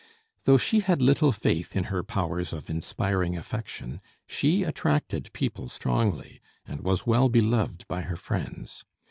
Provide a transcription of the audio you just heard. Though she had little faith in her powers of inspiring affection, she attracted people strongly and was well beloved by her friends.